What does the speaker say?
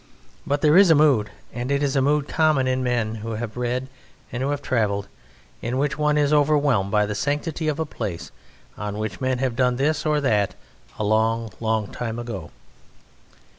But there is a mood, and it is a mood common in men who have read and who have travelled, in which one is overwhelmed by the sanctity of a place on which men have done this or that a long, long time ago.